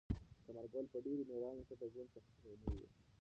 ثمر ګل په ډېرې مېړانې سره د ژوند سختۍ زغملې.